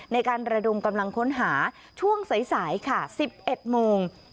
ในการระดมกำลังค้นหาช่วงสายค่ะ๑๑โมง